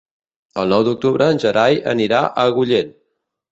El nou d'octubre en Gerai anirà a Agullent.